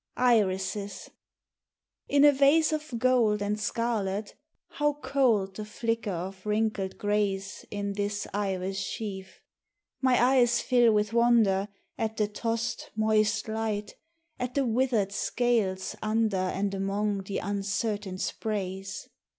89 IN a vase of gold And scarlet, how cold The flicker of wrinkled grays In this iris sheaf ! My eyes fill with wonder At the tossed, moist light, at the withered scales under And among the uncertain sprays.